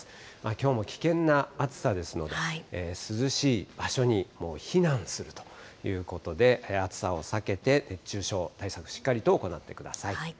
きょうも危険な暑さですので、涼しい場所に避難するということで、暑さを避けて、熱中症対策しっかりと行ってください。